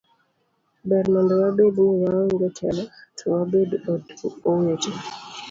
Ber mondo wabed ni waonge telo to wabed owete.